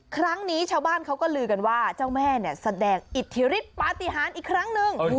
ครั้งนี้ชาวบ้านเขาก็ลือกันว่าเจ้าแม่เนี่ยแสดงอิทธิฤทธิปฏิหารอีกครั้งหนึ่ง